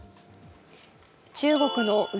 中国の内